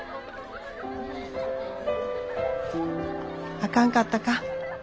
あかんかったか。